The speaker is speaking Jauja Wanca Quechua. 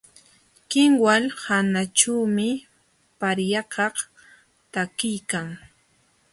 Kinwal hanaćhuumi paryakaq takiykan.